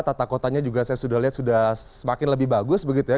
tata kotanya juga saya sudah lihat sudah semakin lebih bagus begitu ya